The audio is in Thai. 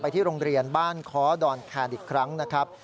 ที่โรงเรียนบ้านค้อดอนแคนอีกครั้งนะครับ